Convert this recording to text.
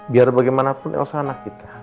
biar bagaimanapun elsa anak kita